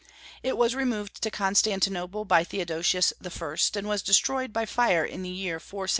It was removed to Constantinople by Theodosius I., and was destroyed by fire in the year 475 A.D.